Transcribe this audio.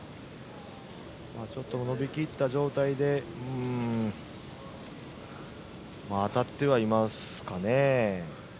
ちょっと伸び切った状態で当たってはいますかね。